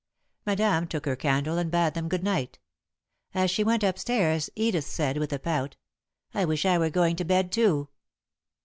Madame took her candle and bade them good night. As she went up stairs, Edith said, with a pout: "I wish I were going to bed too."